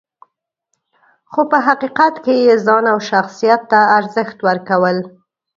خو په حقیقت کې یې ځان او شخصیت ته ارزښت ورکول .